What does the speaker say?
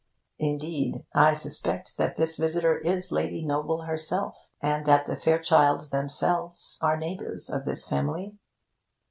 Indeed, I suspect that this visitor is Lady Noble herself, and that the Fairchilds themselves are neighbours of this family.